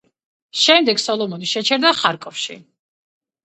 შემდეგ, სოლომონი შეჩერდა ხარკოვში.